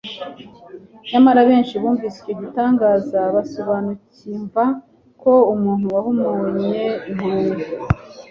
Nyamara benshi bumvise icyo gitangaza basobanukimva ko umuntu wahumuye impumyi,